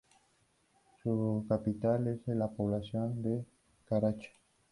Su capital es la población de Carache.